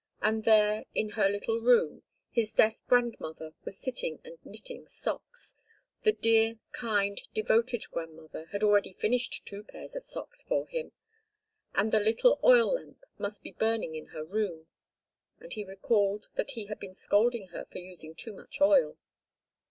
And there, in her little room, his deaf grandmother was sitting and knitting socks—the dear, kind, devoted grandmother had already finished two pairs of socks for him. And the little oil lamp must be burning in her room—and he recalled that he had been scolding her for using too much oil.